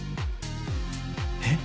えっ？